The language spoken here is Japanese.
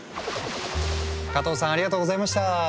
加藤さんありがとうございました。